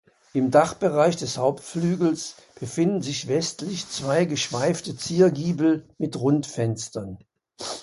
Im Dachbereich des Hauptflügels befinden sich westlich zwei geschweifte Ziergiebel mit Rundfenstern.